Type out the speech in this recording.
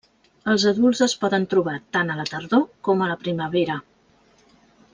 Els adults es poden trobar tant a la tardor com a la primavera.